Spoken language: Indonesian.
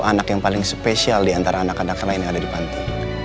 anak yang paling spesial diantara anak anak lain yang ada di panti